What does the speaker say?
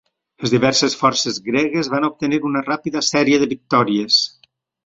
Les diverses forces gregues van obtenir una ràpida sèrie de victòries.